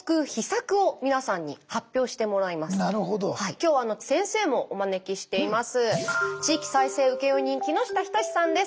今日は先生もお招きしています。